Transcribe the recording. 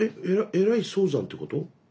えらい早産ということ？